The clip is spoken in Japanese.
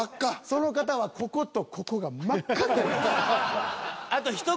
その方はこことここが真っ赤になります。